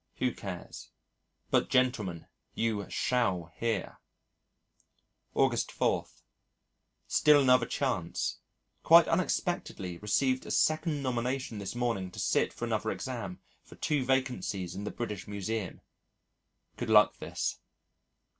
Who cares? "But, gentlemen, you shall hear." August 4. Still another chance quite unexpectedly received a second nomination this morning to sit for another exam, for two vacancies in the British Museum. Good luck this.